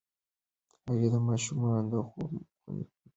هغې د ماشومانو د خوب خونې پاکې ساتي.